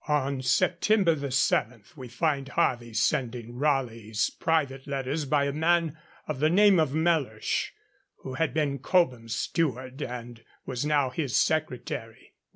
On September 7 we find Harvey sending Raleigh's private letters by a man of the name of Mellersh, who had been Cobham's steward and was now his secretary.